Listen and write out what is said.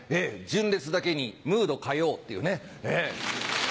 純烈だけにムードカヨウっていうね。